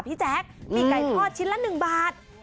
ปีกไก่ทอดชิ้นละ๑บาท